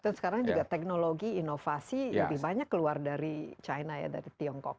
dan sekarang juga teknologi inovasi lebih banyak keluar dari china ya dari tiongkok